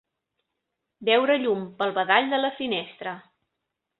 Veure llum pel badall de la finestra.